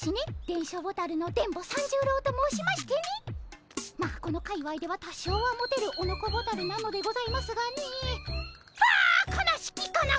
電書ボタルの電ボ三十郎と申しましてねまあこの界わいでは多少はモテるオノコボタルなのでございますがねああ悲しきかな